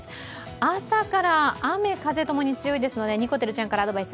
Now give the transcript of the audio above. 朝から雨風ともに強いのでにこてるちゃんからアドバイス。